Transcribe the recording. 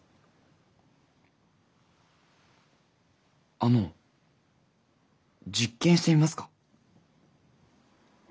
あの実験してみますか？